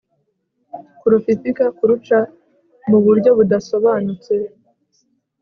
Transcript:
kurufifika kuruca mu buryo budasobanutse